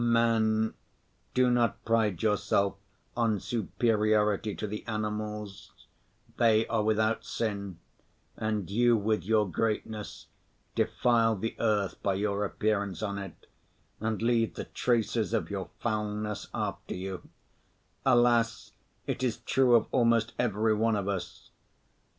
Man, do not pride yourself on superiority to the animals; they are without sin, and you, with your greatness, defile the earth by your appearance on it, and leave the traces of your foulness after you—alas, it is true of almost every one of us!